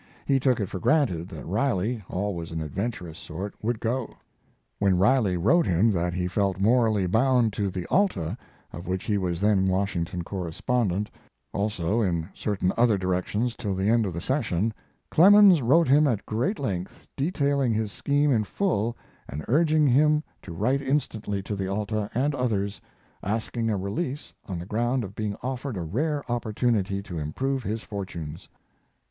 He took it for granted that Riley, always an adventurous sort, would go. When Riley wrote him that he felt morally bound to the Alta, of which he was then Washington correspondent, also in certain other directions till the end of the session, Clemens wrote him at great length, detailing his scheme in full and urging him to write instantly to the Alta and others, asking a release on the ground of being offered a rare opportunity to improve his fortunes.